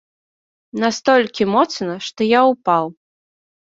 Настолькі моцна, што я ўпаў.